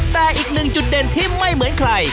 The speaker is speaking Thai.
แต่อีกหนึ่งจุดเด่นที่ไม่เหมือนใคร